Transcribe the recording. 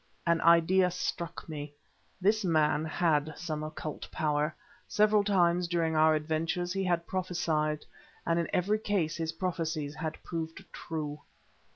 An idea struck me. This man had some occult power. Several times during our adventures he had prophesied, and in every case his prophecies had proved true.